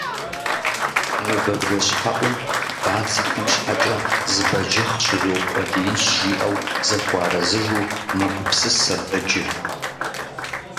«Мывэ бжэщхьэӀум бадзэхэм щхьэкӀэ зы бэджыхъ щызукъуэдиинщ, - жиӀэу зыхуэарэзыжу мэгупсысэ бэджыр.